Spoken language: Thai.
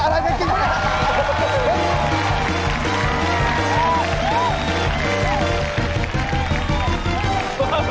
อะไรอะไร